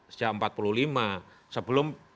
sejak seribu sembilan ratus empat puluh lima sebelum